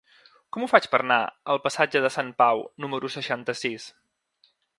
Com ho faig per anar al passatge de Sant Pau número seixanta-sis?